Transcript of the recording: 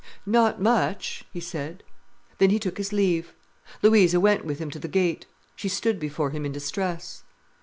"Not much," he said. Then he took his leave. Louisa went with him to the gate. She stood before him in distress.